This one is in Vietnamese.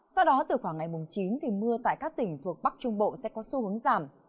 sau đó từ khoảng ngày chín thì mưa tại các tỉnh thuộc bắc trung bộ sẽ có xu hướng giảm